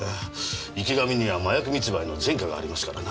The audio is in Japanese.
池上には麻薬密売の前科がありますからな。